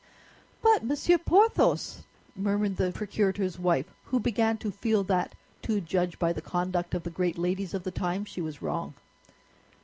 "But, Monsieur Porthos," murmured the procurator's wife, who began to feel that, to judge by the conduct of the great ladies of the time, she was wrong.